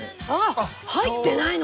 あっ入ってないの？